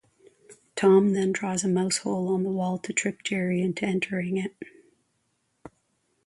Tom then draws a mousehole on the wall to trick Jerry into entering it.